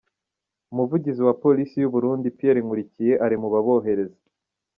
Umuvugizi wa Police y’u Burundi Pierre Nkurikiye ari mu babohereza